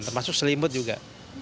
termasuk selimut juga